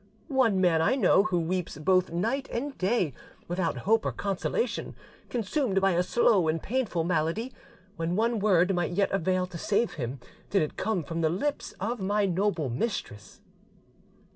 One man I know, who weeps both night and day without hope or consolation, consumed by a slow and painful malady, when one word might yet avail to save him, did it come from the lips of my noble mistress."